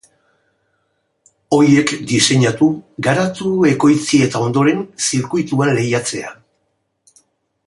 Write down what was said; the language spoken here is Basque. Horiek diseinatu, garatu, ekoitzi eta ondoren zirkuituan lehiatzea.